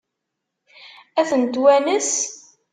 Ad ten-twanes?